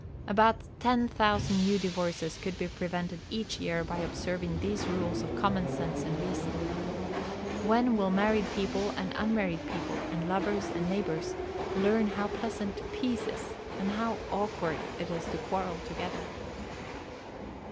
About ten thousand new divorces could be prevented each year by observing these rules of common sense and reason. When will married people and unmarried people, and lovers and neighbors, learn how pleasant peace is, and how awkward it is to quarrel together?